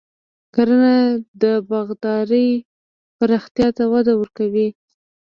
کرنه د باغدارۍ پراختیا ته وده ورکوي.